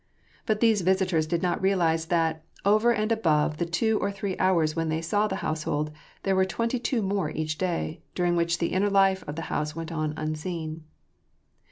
But these visitors did not realize that, over and above the two or three hoars when they saw the household, there were twenty two more each day, during which the inner life of the house went on unseen.